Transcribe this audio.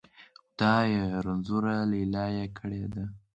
خدایه! رنځوره لیلا یې کړې ده.